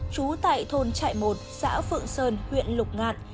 trú tại thôn trại một xã phượng sơn huyện lục ngạn